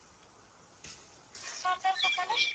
هنوز په دې برخه کې څېړنه پکار ده.